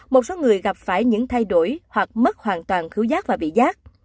một số người gặp phải những thay đổi hoặc mất hoàn toàn thiếu giác và bị giác